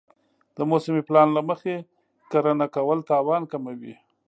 د موسمي پلان له مخې کرنه کول تاوان کموي.